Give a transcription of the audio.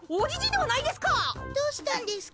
どうしたんですか？